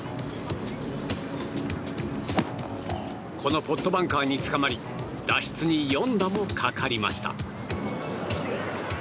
このポットバンカーにつかまり脱出に４打もかかりました。